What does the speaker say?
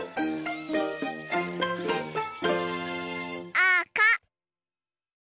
あか！